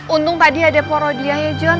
untung tadi ada porodianya jon